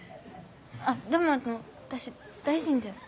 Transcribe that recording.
あでもあの私大臣じゃ。